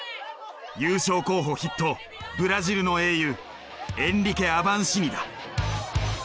優勝候補筆頭ブラジルの英雄エンリケ・アヴァンシニだ。